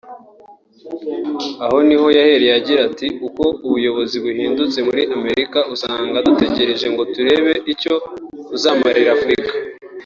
Aha ni ho yahereye agira ati “Uko ubuyobozi buhindutse muri Amerika usanga dutegereje ngo turebe icyo buzamarira Afurika